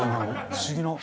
不思議。